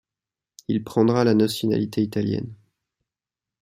Il prendra la nationalité italienne.